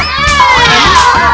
ini kita lihat